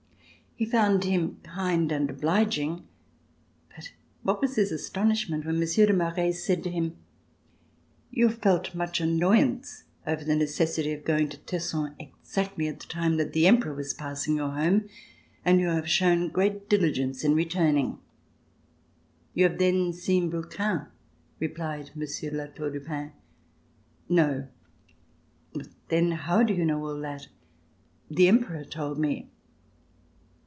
He found him kind and obliging, but what was his astonishment when Monsieur de Maret said to him: *' You have felt much annoyance over the necessity of going to Tesson, exactly at the time that the Emperor was passing your home, and you have shown great diligence in returning.'* RECOLLECTIONS OF THE REVOLUTION "You have then seen Brouquens," replied Mon sieur de La Tour du Pin. "No." "But, then how do you know all that?" "The Emperor told me."